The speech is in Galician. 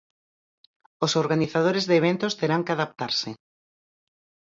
Os organizadores de eventos terán que adaptarse.